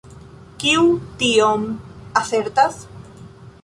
Kiu tion asertas?